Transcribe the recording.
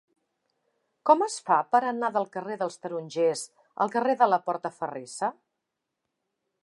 Com es fa per anar del carrer dels Tarongers al carrer de la Portaferrissa?